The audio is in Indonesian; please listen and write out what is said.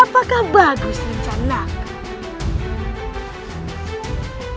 apakah bagus rencanakan